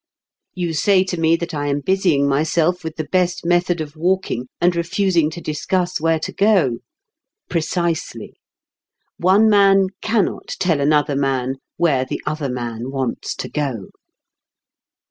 You say to me that I am busying myself with the best method of walking, and refusing to discuss where to go. Precisely. One man cannot tell another man where the other man wants to go.